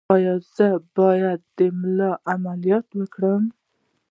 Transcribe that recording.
ایا زه باید د ملا عملیات وکړم؟